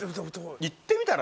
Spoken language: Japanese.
いってみたら？